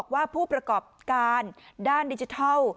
ว่าผู้ประกอบการด้านดิจิทัล